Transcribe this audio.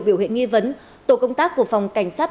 biểu hiện nghi vấn tổ công tác của phòng cảnh sát